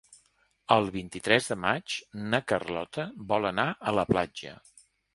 El vint-i-tres de maig na Carlota vol anar a la platja.